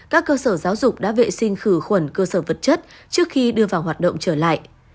các cơ sở giáo dục đã vệ sinh khử khuẩn cơ sở vật chất trước khi đưa vào hoạt động trở lại